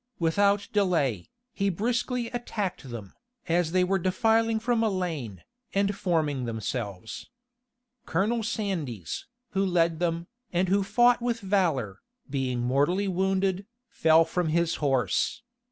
Without delay, he briskly attacked them, as they were defiling from a lane, and forming themselves. Colonel Sandys, who led them, and who fought with valor, being mortally wounded, fell from his horse.